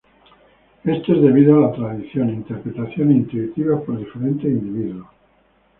Esto es debido a la tradición e interpretaciones intuitivas por diferentes individuos.